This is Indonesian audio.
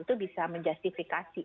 itu bisa menjustifikasi